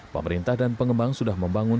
pemerintah dan pengembang sudah membangun